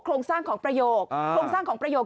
โครงสร้างของประโยค